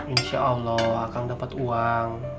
insyaallah akang dapet uang